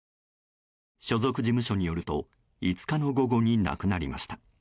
所属事務所によると５日の午後に亡くなりました。